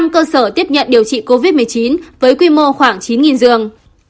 sáu mươi năm cơ sở tiếp nhận điều trị covid một mươi chín với quy mô khoảng chín dường